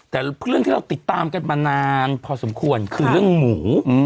แต่เรื่องที่เราติดตามกันมานานพอสมควรคือเรื่องหมู